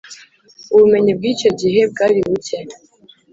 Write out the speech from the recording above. Ubumenyi bw’icyo gihe bwari bucye